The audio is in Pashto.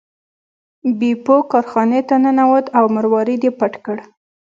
بیپو کارخانې ته ننوت او مروارید یې پټ کړ.